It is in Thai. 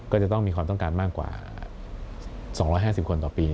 ก็จะต้องมีความต้องการมากกว่า๒๕๐คนต่อปี